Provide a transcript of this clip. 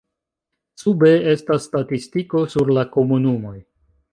Sube estas statistiko sur la komunumoj.